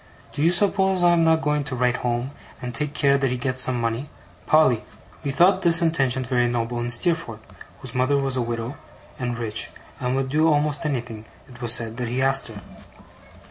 do you suppose I am not going to write home, and take care that he gets some money? Polly?' We thought this intention very noble in Steerforth, whose mother was a widow, and rich, and would do almost anything, it was said, that he asked her.